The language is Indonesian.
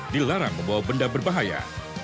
dilarang membawa benda berbahaya